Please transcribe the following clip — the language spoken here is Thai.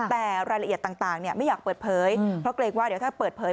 แต่รายละเอียดต่างไม่อยากเปิดเผยเพราะเกรงว่าเดี๋ยวถ้าเปิดเผย